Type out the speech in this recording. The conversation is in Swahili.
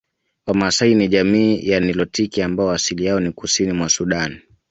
Wamaasai ni jamii ya nilotiki ambao asili yao ni kusini mwa Sudan